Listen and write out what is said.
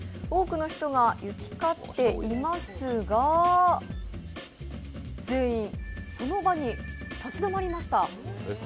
多くの人が行き交っていますが全員その場に立ち止まりました。